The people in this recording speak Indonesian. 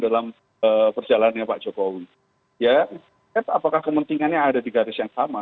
dalam perjalanannya pak jokowi ya kan apakah kepentingannya ada di garis yang sama